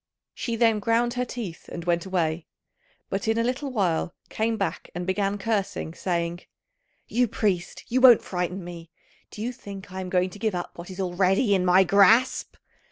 She then ground her teeth and went away; but in a little while came back, and began cursing, saying, "You priest, you won't frighten me. Do you think I am going to give up what is already in my grasp?"